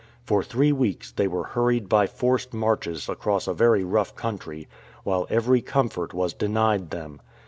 For three wrecks they were hurried by forced marches across a very rough country, while every com fort was denied them.